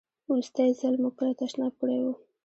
وروستی ځل مو کله تشناب کړی و؟